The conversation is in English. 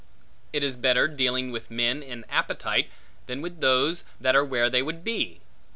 It is better dealing with men in appetite, than with those that are where they would be.